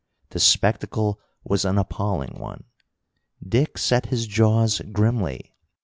The spectacle was an appalling one. Dick set his jaws grimly.